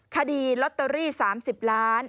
คดีลอตเตอรี่๓๐ล้าน